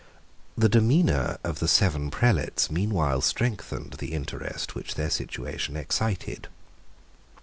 The demeanour of the seven prelates meanwhile strengthened the interest which their situation excited.